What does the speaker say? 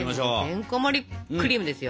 てんこもりクリームですよ。